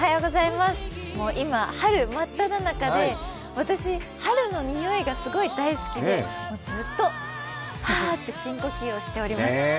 今、春真っただ中で、私、春のにおいがすごい大好きで、ずっと、はーって深呼吸をしております。